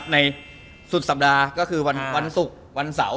ในสุดสัปดาห์ก็คือวันศุกร์วันเสาร์